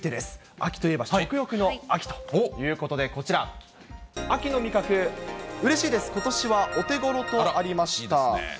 秋といえば食欲の秋ということで、こちら、秋の味覚、うれしいです、ことしはお手ごろとありました。